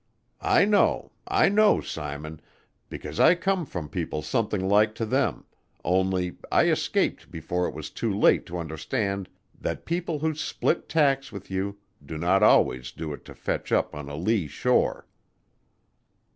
I know, I know, Simon, because I come from people something like to them, only I escaped before it was too late to understand that people who split tacks with you do not always do it to fetch up on a lee shore."